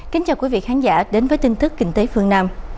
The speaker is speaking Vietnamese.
kính chào quý vị khán giả đến với tin tức kinh tế phương nam